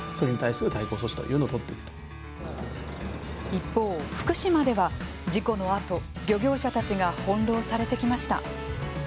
一方、福島では事故のあと漁業者たちが翻弄されてきました。